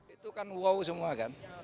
itu kan wow semua kan